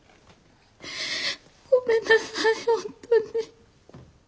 ごめんなさい本当に。